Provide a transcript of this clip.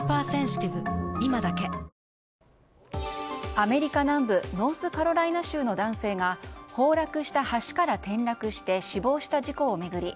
アメリカ南部ノースカロライナ州の男性が崩落した橋から転落して死亡した事故を巡り